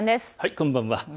こんばんは。